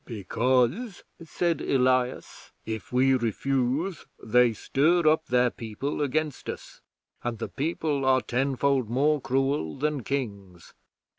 "Because," said Elias, "if we refuse they stir up their people against us, and the People are tenfold more cruel than Kings.